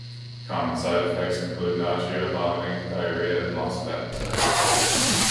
Common side effects include nausea, vomiting, diarrhea, and loss of appetite.